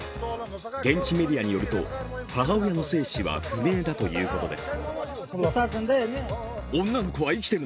現地メディアによると母親の生死は不明だということです。